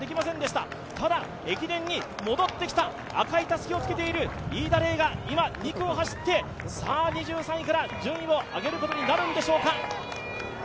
ただ、駅伝に戻ってきた、赤いたすきをつけている飯田怜が今、２区を走って２３位から順位を上げることになるんでしょうか。